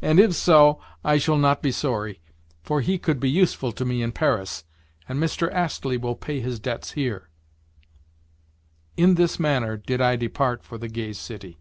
And if so, I shall not be sorry, for he could be useful to me in Paris, and Mr. Astley will pay his debts here." In this manner did I depart for the Gay City.